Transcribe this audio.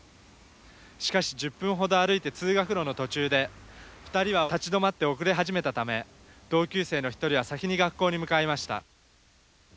しかし１０分ほど歩いて通学路の途中で２人は立ち止まって遅れ始めたため同級生の一人は先に学校に向かいました。